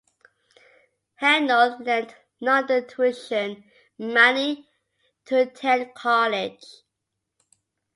Heinold lent London tuition money to attend college.